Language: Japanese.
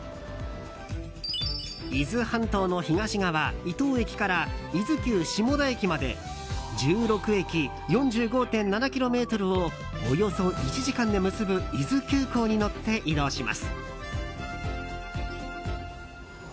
伊豆半島の東側伊東駅から伊豆急下田駅まで１６駅、４５．７ｋｍをおよそ１時間で結ぶ伊豆急行に乗って移動します。